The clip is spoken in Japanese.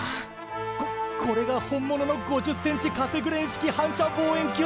ここれが本物の５０ｃｍカセグレン式反射望遠鏡！